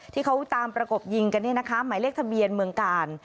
ที่เขาตามประกบยิงกันเนี่ยนะคะหมายเลขทะเบียนเมืองกาล